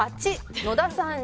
８野田さん